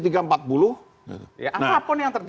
ya apapun yang tertentu